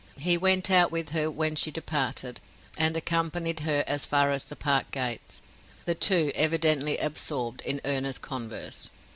He went out with her when she departed, and accompanied her as far as the park gates, the two evidently absorbed in earnest converse.